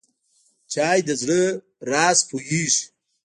چای د زړه راز پوهیږي.